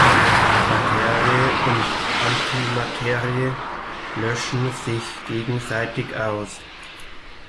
Materie und Antimaterie löschen sich gegenseitig aus.